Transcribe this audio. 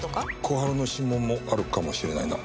小春の指紋もあるかもしれないな。